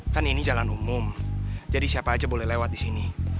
kan ini jalan umum jadi siapa aja boleh lewat di sini